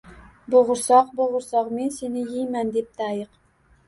— Bo’g’risoq, bo’g’irsoq men seni yeyman, — debdi ayiq